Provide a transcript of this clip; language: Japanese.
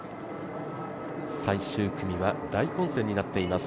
最終組は大混戦になっています